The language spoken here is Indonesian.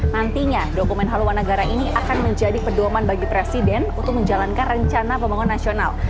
nantinya dokumen haluan negara ini akan menjadi pedoman bagi presiden untuk menjalankan rencana pembangunan nasional